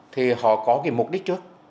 thì họ có mục đích trước